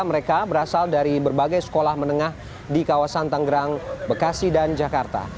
mereka berasal dari berbagai sekolah menengah di kawasan tanggerang bekasi dan jakarta